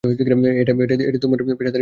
এটাই তোমার পেশাদারি বিশ্লেষণ?